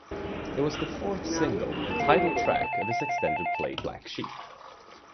It was the fourth single and title track off his extended play "Black Sheep".